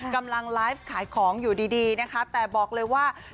กำลังไลฟ์ขายของอยู่ดีนะคะแต่บอกเลยว่า